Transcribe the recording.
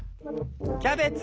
キャベツ！